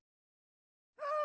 うん！